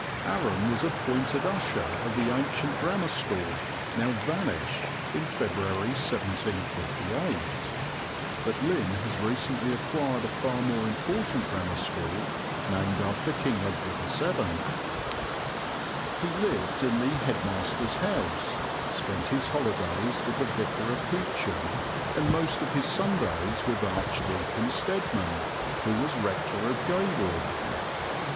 Aram was appointed usher of the ancient Grammar School, now vanished (but Lynn has recently acquired a far more important Grammar School, named after King Edward VII), in February, 1758. He lived in the headmaster's house, spent his holidays with the Vicar of Heacham, and most of his Sundays with Archdeacon Steadman, who was Rector of Gaywood.